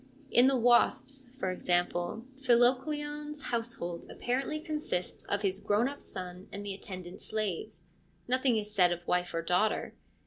In the Wasps, for example, Philocleon's household apparently consists of his grown up son and the attendant slaves : nothing is said of wife or daughter.